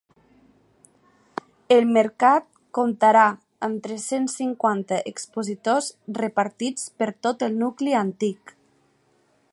El mercat comptarà amb tres-cents cinquanta expositors repartits per tot el nucli antic.